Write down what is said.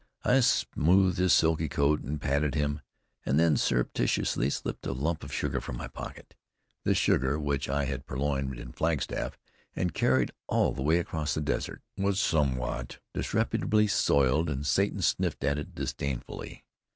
I smoothed his silky coat, and patted him, and then surreptitiously slipped a lump of sugar from my pocket. This sugar, which I had purloined in Flagstaff, and carried all the way across the desert, was somewhat disreputably soiled, and Satan sniffed at it disdainfully.